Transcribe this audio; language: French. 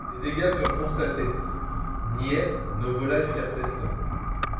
Des dégâts furent constatés, niais nos volailles firent festin.